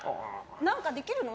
なんかできるの？